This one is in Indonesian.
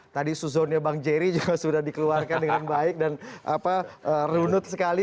tadi suzonnya bang jerry juga sudah dikeluarkan dengan baik dan runut sekali